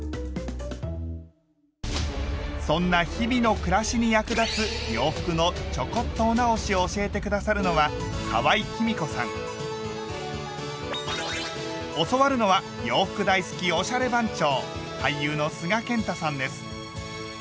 そんな日々の暮らしに役立つ洋服のちょこっとお直しを教えて下さるのは教わるのは洋服大好きおしゃれ番長！